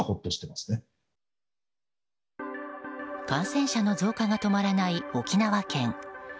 感染者の増加が止まらない沖縄県。